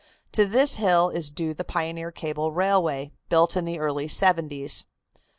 To this hill is due the pioneer cable railway, built in the early '70's.